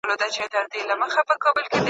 په کلي کي سوله او ارامي راغله.